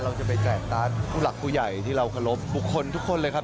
เราจะไปแจกตัดหลักผู้ใหญ่ที่เรากรบบุคคลทุกคนเลยครับ